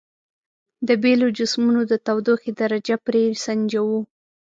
د بیلو جسمونو د تودوخې درجه پرې سنجوو.